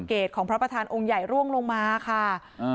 ของพระประธานองค์ใหญ่ร่วงลงมาค่ะ